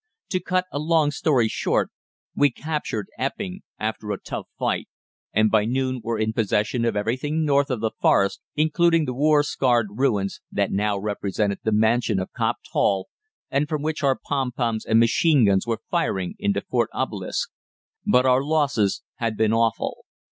"To cut a long story short, we captured Epping after a tough fight, and by noon were in possession of everything north of the Forest, including the war scarred ruins that now represented the mansion of Copped Hall, and from which our pom poms and machine guns were firing into Fort Obelisk. But our losses had been awful.